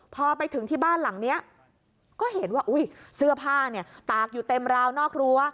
พอไปถึงที่บ้านหลังนี้ก็เห็นว่าเสื้อผ้าเนี่ยตากอยู่เต็มราวนอกรั้ว